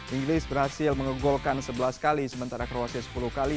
inggris berhasil mengegolkan sebelas kali sementara kroasia sepuluh kali